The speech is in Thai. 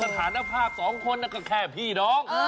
สถานภาพสองคนก็แค่พี่น้อง